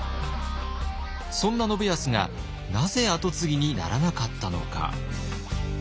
そんな信康がなぜ跡継ぎにならなかったのか。